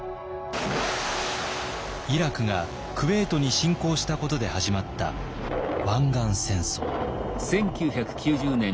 イラクがクウェートに侵攻したことで始まった湾岸戦争。